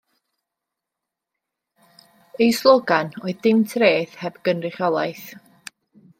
Eu slogan oedd dim treth heb gynrychiolaeth.